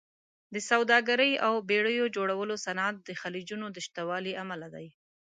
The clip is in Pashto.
د سوداګرۍ او بېړیو جوړولو صنعت د خلیجونو د شتوالي امله دی.